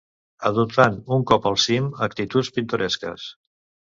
Adoptant, un cop al cim, actituds pintoresques.